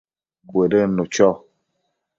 Cuëdënnu cho